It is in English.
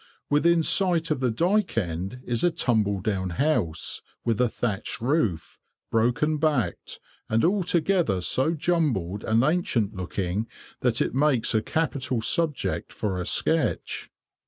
Within sight of the dyke end is a tumble down house, with a thatched roof, broken backed, and altogether so jumbled and ancient looking, that it makes a capital subject for a sketch.